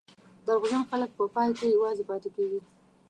دروغجن خلک په پای کې یوازې پاتې کېږي.